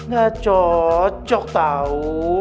gak cocok tau